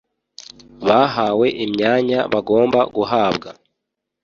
bahawe imyanya bagomba guhabwa